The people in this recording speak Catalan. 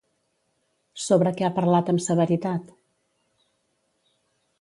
Sobre què ha parlat amb severitat?